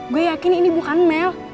gue yakin ini bukan mel